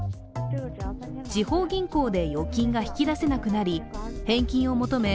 地方銀行で預金が引き出せなくなり、返金を求め